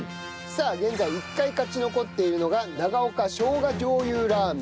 さあ現在１回勝ち残っているのが長岡生姜醤油ラーメン。